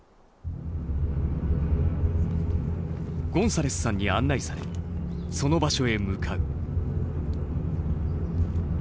ゴンサレスさんに案内されその場所へ向かう。